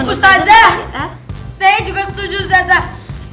ustazah saya juga setuju ustazah